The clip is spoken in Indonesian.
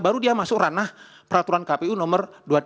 baru dia masuk ranah peraturan kpu nomor dua puluh tiga